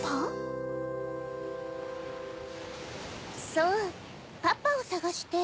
そうパパをさがして。